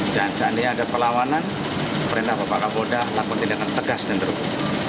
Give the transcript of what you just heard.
dan saat ini ada pelawanan perintah bapak kapolda lakukan tindakan tegas dan terukur